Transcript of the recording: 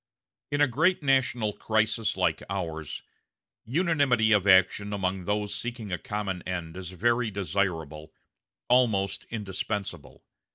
In a great national crisis like ours, unanimity of action among those seeking a common end is very desirable almost indispensable.